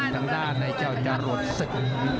ทางด้านในเจ้าจรวดศึก